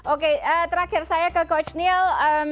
oke terakhir saya ke coach neil